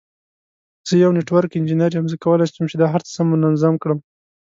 زه یو نټورک انجینیر یم، زه کولای شم چې دا هر څه سم منظم کړم.